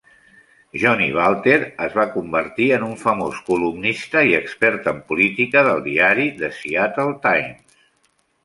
Joni Balter es va convertir en un famós columnista i expert en política del diari "The Seattle Times".